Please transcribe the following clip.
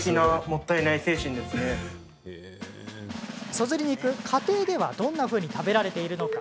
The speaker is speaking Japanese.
そずり肉、家庭ではどんなふうに食べられているのか。